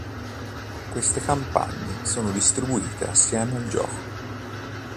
Queste campagne sono distribuite assieme al gioco.